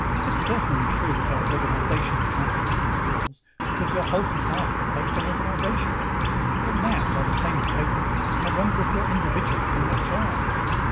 It's certainly true that our organizations can't compete with yours, because your whole society is based on organizations. But now, by the same token, I wonder if your individuals can match ours.